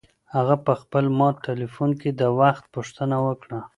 هغه په خپل مات تلیفون کې د وخت پوښتنه وکړه.